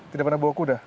tidak pernah bawa kuda